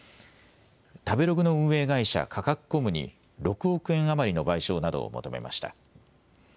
食べログの運営会社、カカクコムに６億円余りの賠償などを求めました。